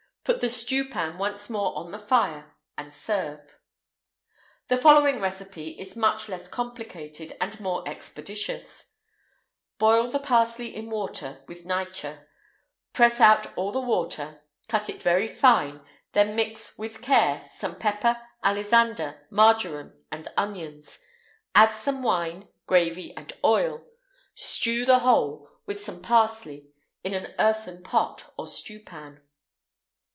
Put the stewpan once more on the fire, and serve.[IX 201] The following recipe is much less complicated and more expeditious: Boil the parsley in water, with nitre; press out all the water; cut it very fine; then mix, with care, some pepper, alisander, marjoram and onions; add some wine, gravy, and oil; stew the whole, with the parsley, in an earthen pot or stewpan.